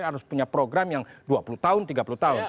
harus punya program yang dua puluh tahun tiga puluh tahun